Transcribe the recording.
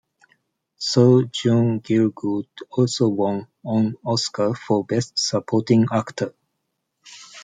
Sir John Gielgud also won an Oscar for Best Supporting Actor.